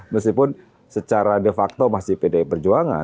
meskipun secara de facto masih pdi perjuangan